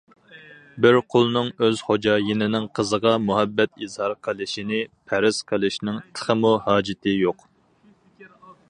بىر قۇلنىڭ ئۆز خوجايىنىنىڭ قىزىغا مۇھەببەت ئىزھار قىلىشىنى پەرەز قىلىشنىڭ تېخىمۇ ھاجىتى يوق.